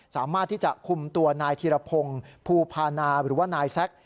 สามารถที่จะคุมตัวนายธีรพงศ์ภูพานาหรือว่านายแซ็ก